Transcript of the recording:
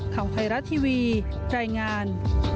ข่าวไทยรัฐทีวีรายงาน